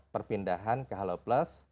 perpindahan ke halo plus